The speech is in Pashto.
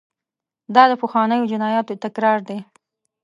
دا د پخوانیو جنایاتو تکرار دی.